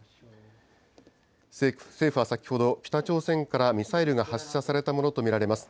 政府は先ほど、北朝鮮からミサイルが発射されたものと見られます。